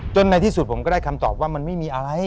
ในที่สุดผมก็ได้คำตอบว่ามันไม่มีอะไร